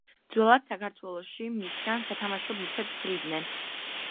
ძველად საქართველოში მისგან სათამაშო ბურთებს თლიდნენ.